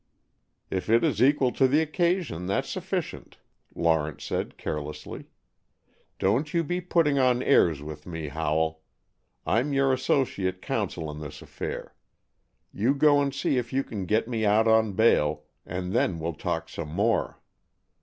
"If it is equal to the occasion, that's sufficient," Lawrence said carelessly. "Don't you be putting on airs with me, Howell. I'm your associate counsel in this affair. You go and see if you can get me out on bail, and then we'll talk some more.